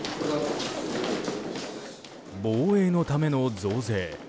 防衛のための増税。